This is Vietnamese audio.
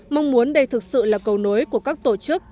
mong muốn đây thực sự là cầu nối của các tổ chức